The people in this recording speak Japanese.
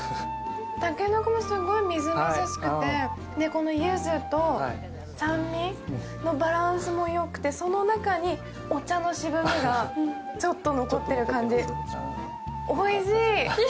竹の子もすごいみずみずしくて、このゆずと酸味のバランスもよくて、その中にお茶の渋みがちょっと残っている感じ、おいしい。